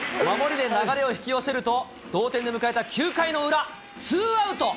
流れで引き寄せると、同点で迎えた９回の裏、ツーアウト。